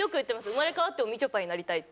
「生まれ変わってもみちょぱになりたい」って。